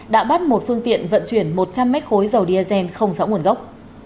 đã bắt một phương tiện vận chuyển một trăm linh mét khối dầu diazen không rõ nguồn gốc